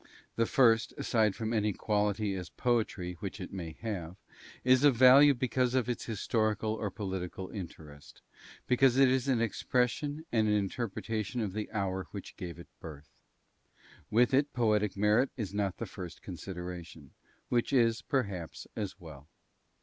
The first, aside from any quality as poetry which it may have, is of value because of its historical or political interest, because it is an expression and an interpretation of the hour which gave it birth. With it, poetic merit is not the first consideration, which is, perhaps, as well.